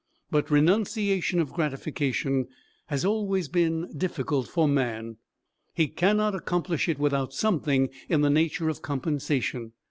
But renunciation of gratification has always been difficult for man. He cannot accomplish it without something in the nature of compensation.